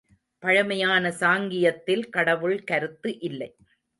பழமையான சாங்கியத்தில் கடவுள் கருத்து இல்லை.